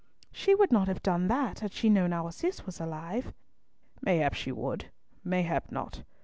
"She would not have done that had she known that our Cis was alive." "Mayhap she would, mayhap not.